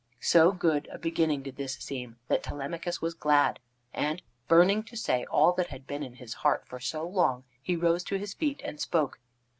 So good a beginning did this seem that Telemachus was glad, and, burning to say all that had been in his heart for so long, he rose to his feet and spoke.